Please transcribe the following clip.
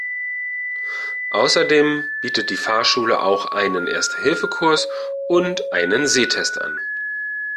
Außerdem bietet die Fahrschule auch einen Erste-Hilfe-Kurs und einen Sehtest an.